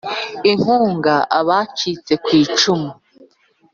Inkunga abacitse ku icumu